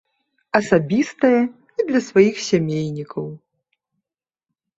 Асабістае і для сваіх сямейнікаў.